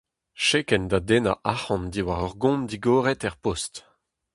Chekenn da dennañ arc'hant diwar ur gont digoret er post.